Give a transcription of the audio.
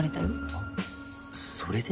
あっそれで？